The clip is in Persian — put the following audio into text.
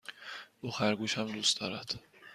او خرگوش هم دوست دارد.